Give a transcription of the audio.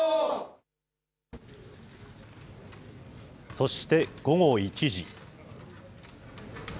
そして午後１時。